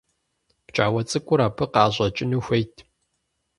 Пкӏауэ цӏыкӏур абы къыӏэщӏэкӏыну хуейт.